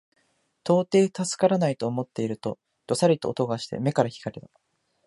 到底助からないと思っていると、どさりと音がして眼から火が出た